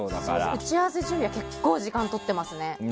打ち合わせ準備は結構時間とっていますね。